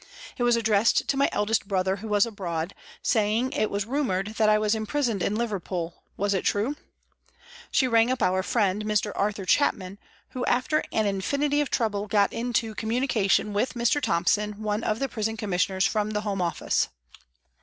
It was addressed to my eldest brother, who was abroad, saying it was rumoured that I was imprisoned in Liverpool was it true ? She rang up our friend, Mr. Arthur Chapman, who after an infinity of trouble got into communication with Mr. Thompson, one of the Prison Commissioners from the Home Office.